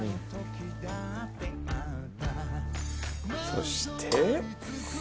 そして。